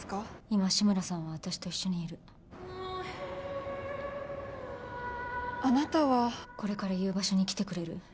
今志村さんは私と一緒にいるあなたはこれから言う場所に来てくれる？